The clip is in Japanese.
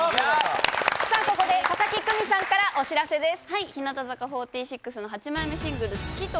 ここで佐々木久美さんからお知らせです。